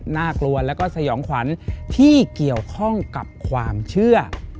น่ากลัวแล้วก็สยองขวัญที่เกี่ยวข้องกับความเชื่อ